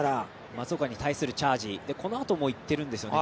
松岡に対するチャージそしてこのあともいってるんですよね